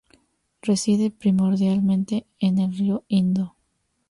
Reside primordialmente en el río Indo.